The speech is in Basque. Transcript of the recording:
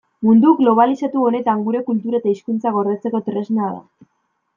Mundu globalizatu honetan gure kultura eta hizkuntza gordetzeko tresna da.